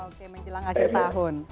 oke menjelang akhir tahun